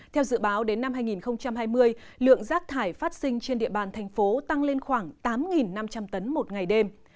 theo dự báo đến năm hai nghìn hai mươi lượng rác thải phát sinh trên địa bàn thành phố tăng lên khoảng tám năm trăm linh tấn một ngày đêm